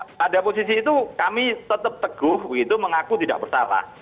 nah pada posisi itu kami tetap teguh begitu mengaku tidak bersalah